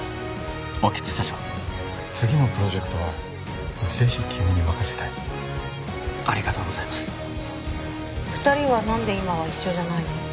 興津社長次のプロジェクトはぜひ君に任せたいありがとうございます２人は何で今は一緒じゃないの？